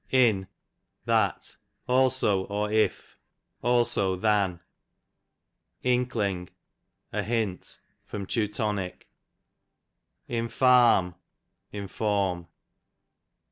In, that; also or if, also than. Inkling, a hint. Teu. Infarm, inform.